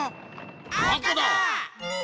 あかだ！